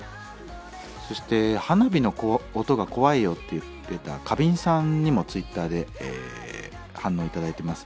そして「花火の音が怖いよ」と言ってた花瓶さんにもＴｗｉｔｔｅｒで反応頂いています。